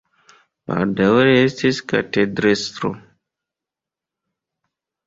Baldaŭe li estis katedrestro.